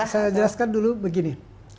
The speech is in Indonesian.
saya jelaskan dulu begini